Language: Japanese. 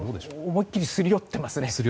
思い切りすり寄っていますね。